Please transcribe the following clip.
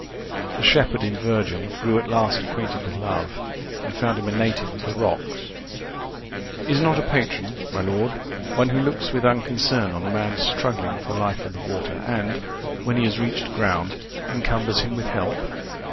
The shepherd in Virgil grew at last acquainted with Love, and found him a native of the rocks. Is not a patron my lord, one who looks with unconcern on a man struggling for life in the water, and, when he has reached ground, encumbers him with help?